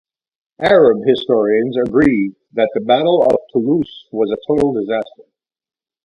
Arab historians agree that the Battle of Toulouse was a total disaster.